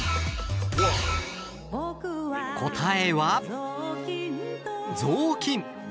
答えは雑巾。